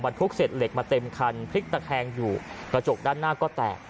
ทุกเศษเหล็กมาเต็มคันพลิกตะแคงอยู่กระจกด้านหน้าก็แตก